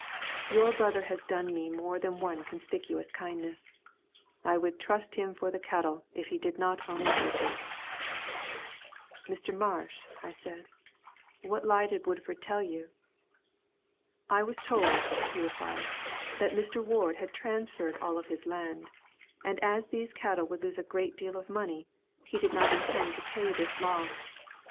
Your brother has done me more than one conspicuous kindness. I would trust him for the cattle if he did not own an acre." "Mr. Marsh," I said, "what lie did Woodford tell you?" "I was told," he replied, "that Mr. Ward had transferred all of his land, and as these cattle would lose a great deal of money, he did not intend to pay this loss.